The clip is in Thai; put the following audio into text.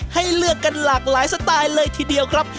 ให้เลือกกันหลากหลายสไตล์เลยทีเดียวครับ